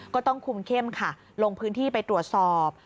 ก็ต้องคุมเข้มค่ะลงพื้นที่ไปตรวจสอบ